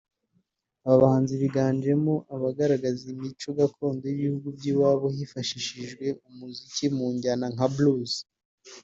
Aba bahanzi biganjemo abagaragaza imico gakondo y’ibihugu by’iwabo bifashishije umuziki mu njyana nka blues